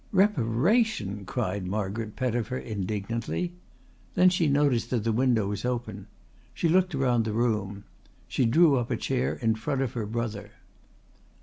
"Reparation!" cried Margaret Pettifer indignantly. Then she noticed that the window was open. She looked around the room. She drew up a chair in front of her brother.